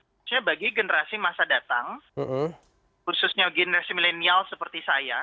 khususnya bagi generasi masa datang khususnya generasi milenial seperti saya